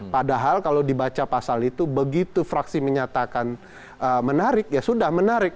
padahal kalau dibaca pasal itu begitu fraksi menyatakan menarik ya sudah menarik